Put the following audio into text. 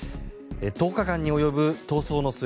１０日間に及ぶ逃走の末